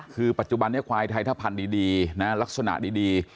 คือปัจจุบันนี้ควายไทยถ้าพันธุ์ดีนะลักษณะดี